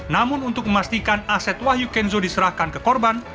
namun untuk memastikan aset wahyu kenzo diserahkan ke korban